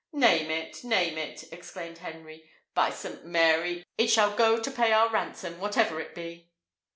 "Name it! name it!" exclaimed Henry. "By St. Mary! it shall go to pay our ransom, whatever it be."